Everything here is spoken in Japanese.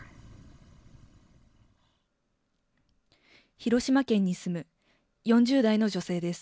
広島県に住む４０代の女性です。